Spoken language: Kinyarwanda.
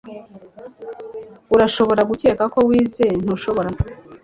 Urashobora gukeka ko wize, ntushobora?